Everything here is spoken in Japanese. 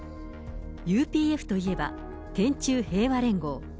ＵＰＦといえば、天宙平和連合。